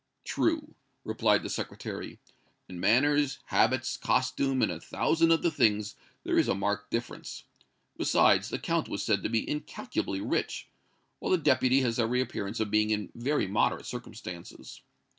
"True," replied the Secretary; "in manners, habits, costume and a thousand other things there is a marked difference. Besides, the Count was said to be incalculably rich, while the Deputy has every appearance of being in very moderate circumstances.